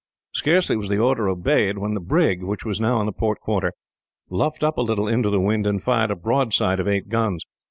Scarcely was the order obeyed when the brig, which was now on the port quarter, luffed up a little into the wind, and fired a broadside of eight guns.